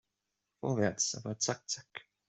Vorwärts, aber zack zack!